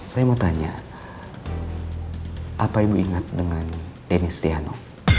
saya mau tanya apa ibu ingat dengan dennis diano